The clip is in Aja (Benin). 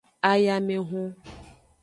Ayamehun.